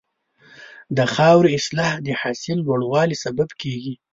د خاورې اصلاح د حاصل لوړوالي سبب کېږي.